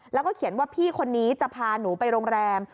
แล้วก็เขียนว่าพี่คนนี้จะพาหนูไปโรงแรม